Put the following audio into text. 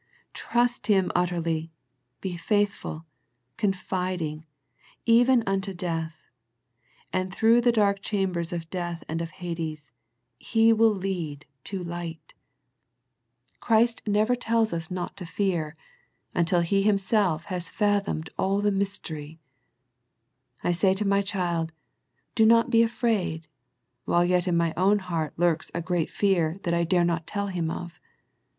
Trust Him utterly, be faithful, confiding, even unto death, and through the dark chambers of death and of Hades, He will lead to light. Christ The Smyrna Letter 79 never tells us not to fear, until He Himself has fathomed all the mystery. I say to my child Do not be afraid, while yet in my own heart lurks a great fear that I dare not tell him of.